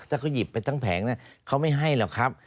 ถ้าเขาหยิบไปทั้งแผงเขาไม่ให้หรอกครับ